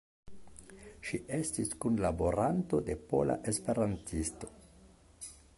Ŝi estis kunlaboranto de Pola Esperantisto.